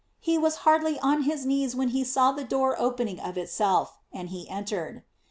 He was hardly on his knees when he saw the door open ing of itself, and he entered.